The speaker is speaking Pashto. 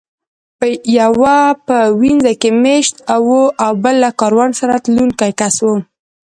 یو په وینز کې مېشت و او بل له کاروان سره تلونکی کس و